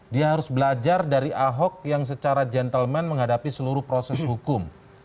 dia harus belajar dari ahok yang secara gentleman menghadapi seluruh proses hukum